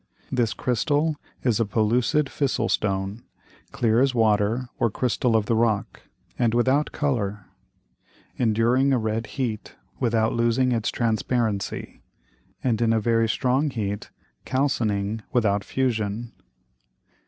This Crystal is a pellucid fissile Stone, clear as Water or Crystal of the Rock, and without Colour; enduring a red Heat without losing its transparency, and in a very strong Heat calcining without Fusion.